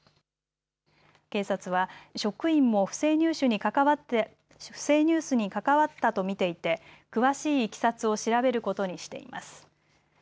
警察は職員も不正入手に関わっていたと見ていて詳しいいきさつを調べることにしています。